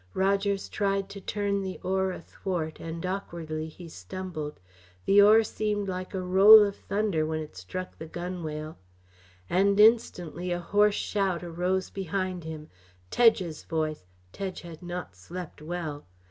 Rogers tried to turn to the oar athwart, and awkwardly he stumbled. The oar seemed like a roll of thunder when it struck the gunwale. And instantly a hoarse shout arose behind him. Tedge's voice Tedge had not slept well.